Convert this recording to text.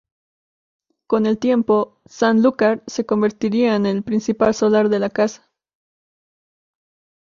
Con el tiempo, Sanlúcar se convertiría en el principal solar de la casa.